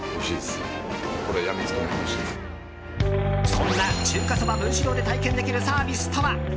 そんな中華そば文四郎で体験できるサービスとは？